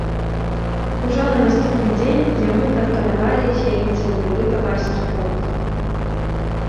Ужо на наступны дзень яму прапанавалі з'явіцца ў любы баварскі полк.